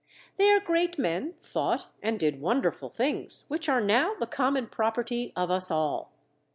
Their great men thought and did wonderful things which are now the common property of us all.